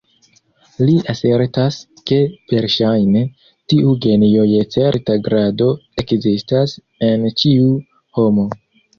Li asertas, ke, verŝajne, tiu genio je certa grado ekzistas en ĉiu homo.